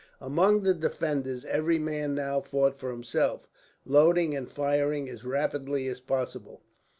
Among the defenders, every man now fought for himself, loading and firing as rapidly as possible.